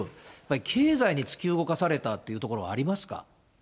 経済に突き動かされたというところはありますか。